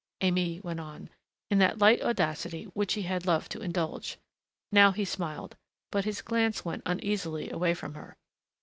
Aimée went on, in that light audacity which he had loved to indulge. Now he smiled, but his glance went uneasily away from her.